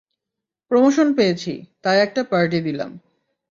Promotion পেয়েছি, তাই একটা পার্টি দিলাম।